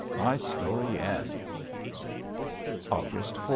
My story ends." _August 4.